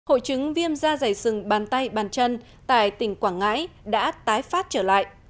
hội chứng viêm da dày sừng bàn tay bàn chân tại tỉnh quảng ngãi đã tái phát trở lại